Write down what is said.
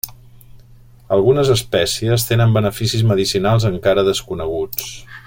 Algunes espècies tenen beneficis medicinals encara desconeguts.